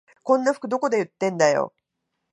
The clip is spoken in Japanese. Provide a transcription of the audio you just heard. こんな服どこで売ってんだよ